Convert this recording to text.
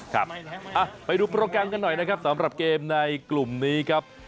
ครับไปดูโปรแกรมกันหน่อยนะครับสำหรับเกมในกลุ่มนี้ครับ